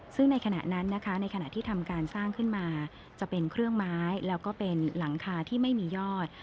ซึ่งในขณะนั้นนะคะในขณะที่ทำการสร้างขึ้นมาจะเป็นเครื่องไม้แล้วก็เป็นหลังคาที่ไม่มียอด